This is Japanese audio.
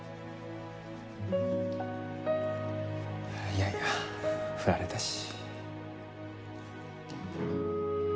いやいや振られたし。